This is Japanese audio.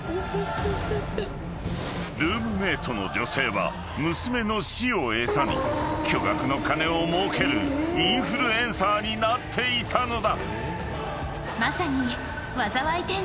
［ルームメートの女性は娘の死を餌に巨額の金をもうけるインフルエンサーになっていたのだ］